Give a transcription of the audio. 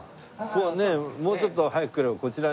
もうちょっと早く来ればこちらにお邪魔。